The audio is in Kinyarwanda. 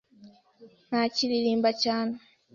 ntakiririmba cyane.